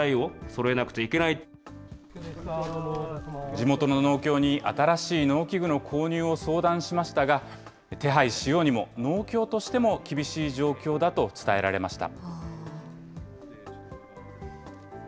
地元の農協に、新しい農機具の購入を相談しましたが、手配しようにも、農協としても厳しい状況だと伝えられました。